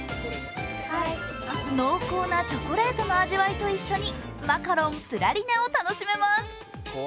濃厚なチョコレートの味わいと一緒にマカロンプラリネを楽しめます。